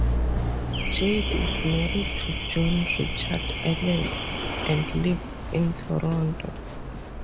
Jade is married to John Richard Allan and lives in Toronto.